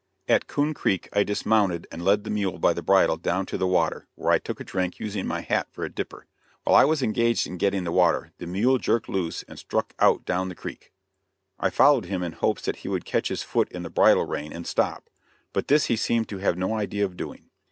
At Coon Creek I dismounted and led the mule by the bridle down to the water, where I took a drink, using my hat for a dipper. While I was engaged in getting the water, the mule jerked loose and struck out down the creek. I followed him in hopes that he would catch his foot in the bridle rein and stop, but this he seemed to have no idea of doing.